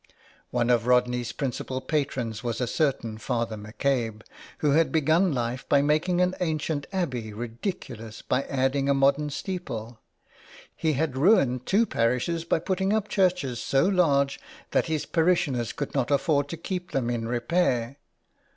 One of Rodney's principal patrons was a certain Father McCabe, who had begun life by making an ancient abbey ridiculous by adding a modern steeple. He had ruined two parishes by putting up churches so large that his parishioners could not afford to keep them in repair.